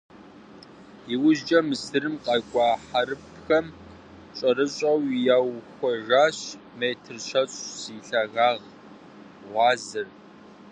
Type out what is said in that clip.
ИужькӀэ Мысырым къэкӀуа хьэрыпхэм щӀэрыщӀэу яухуэжащ метр щэщӏ зи лъагагъ гъуазэр.